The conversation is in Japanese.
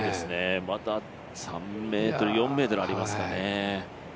まだ３ｍ、４ｍありますかね。